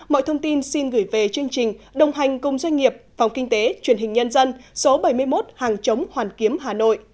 mọi thông tin xin gửi về chương trình đồng hành cùng doanh nghiệp phòng kinh tế truyền hình nhân dân số bảy mươi một hàng chống hoàn kiếm hà nội